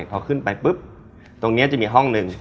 พอขึ้นไปปุ๊บตรงนี้จะมีห้องหนึ่ง